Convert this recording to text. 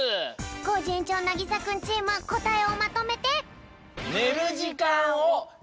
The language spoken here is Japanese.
コージ園長なぎさくんチームこたえをまとめて！